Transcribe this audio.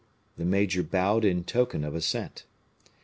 The major bowed in token of assent.